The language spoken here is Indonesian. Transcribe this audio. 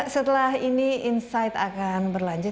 setelah ini insight akan berlanjut